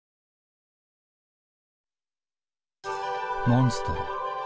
モンストロ。